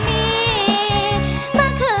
เพลงเก่งของคุณครับ